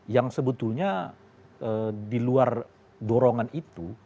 yang sebetulnya di luar dorongan itu